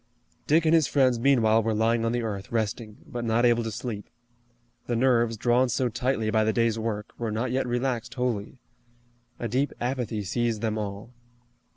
Dick and his friends meanwhile were lying on the earth, resting, but not able to sleep. The nerves, drawn so tightly by the day's work, were not yet relaxed wholly. A deep apathy seized them all.